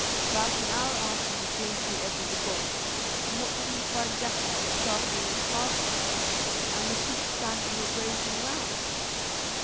About an hour after he came to the edge of the bog, and what did he find Jack at but sharpening a carving knife, and the sheep standing or grazing round.